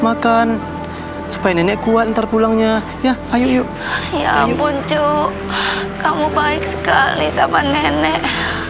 makan supaya nenek kuat ntar pulangnya ya ayo yuk ya ampun cuk kamu baik sekali sama nenek